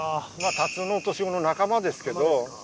タツノオトシゴの仲間ですけど。